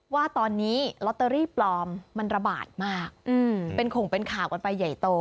ว่าตอนนี้ลอตเตอรี่ปลอมมันระบาดมากเป็นข่งเป็นข่าวกันไปใหญ่โต